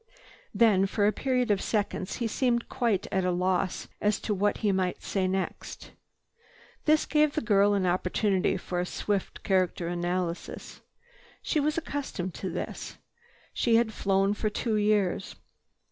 Then for a period of seconds he seemed quite at a loss as to what he might say next. This gave the girl an opportunity for a swift character analysis. She was accustomed to this. She had flown for two years.